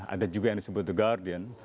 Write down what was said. ada juga yang disebut the guardian